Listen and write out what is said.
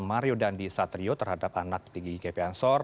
mario dandi satrio terhadap anak petinggi gpnsor